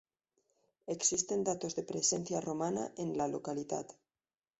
Existen datos de presencia romana en la localidad.